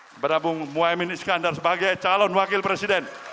kepada bung muhaymin iskandar sebagai calon wakil presiden